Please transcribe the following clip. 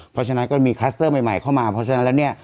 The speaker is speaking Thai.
เพราะฉะนั้นก็มีคลัสเตอร์ใหม่เข้ามาเพราะฉะนั้นแล้วเนี่ย